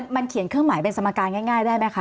มันเขียนเครื่องหมายเป็นสมการง่ายได้ไหมคะ